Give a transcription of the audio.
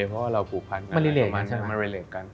เพราะว่าเราผูกพันธุ์มารีเลกกัน